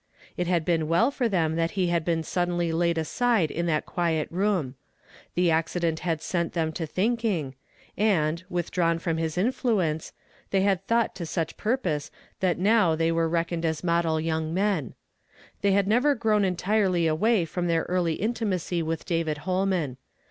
It had been well for them that he had been suddenly laid aside in that quiet room. The accident had set them to think ing ; and, withdraAvn from his influence, they had thought to such purpose that now they were reck oned as model young men. They had never grown entirely away from their early intimacy with David Holman.